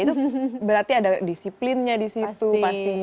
itu berarti ada disiplinnya disitu pastinya